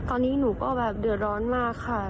ตอนนี้หนูก็แบบเดือดร้อนมากค่ะ